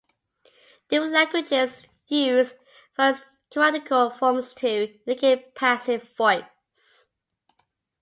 Different languages use various grammatical forms to indicate passive voice.